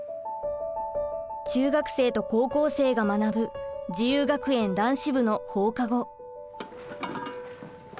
中学生と高校生が学ぶ自由学園男子部の放課後。